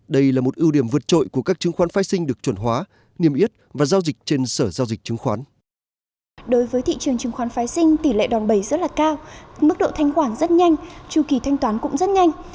đối với thị trường chứng khoán phái sinh tỷ lệ đòn bầy rất là cao mức độ thanh khoản rất nhanh trù kỳ thanh toán cũng rất nhanh